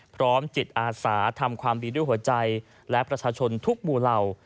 พร้อมจิตอาสาทำความดีด้วยหัวใจและประชาชนทุกหมู่เหล่า